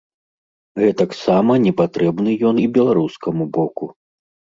Гэтаксама не патрэбны ён і беларускаму боку.